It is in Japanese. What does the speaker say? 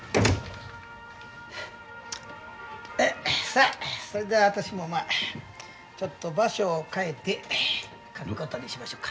さあそれでは私もまあちょっと場所を変えて書くことにしましょか。